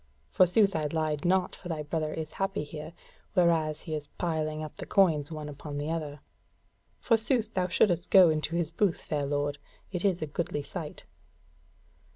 Forsooth I lied not, for thy brother is happy here, whereas he is piling up the coins one upon the other. Forsooth thou shouldest go into his booth, fair lord; it is a goodly sight."